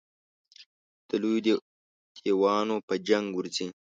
د لویو دېوانو په جنګ ورځي.